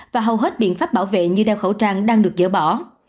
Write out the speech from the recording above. và hầu hết biện pháp bảo vệ như đeo khẩu trang đang được dỡ bỏ